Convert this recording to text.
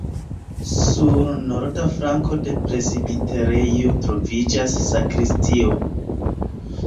Sur norda flanko de presbiterejo troviĝas sakristio.